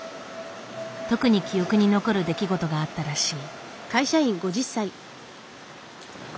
特に記憶に残る出来事があったらしい。